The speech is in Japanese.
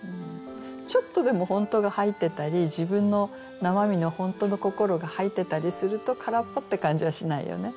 ちょっとでも本当が入ってたり自分の生身の本当の心が入ってたりすると「からっぽ」って感じはしないよね。